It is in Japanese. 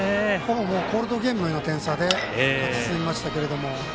コールドゲームのような点差で勝ち進みましたが。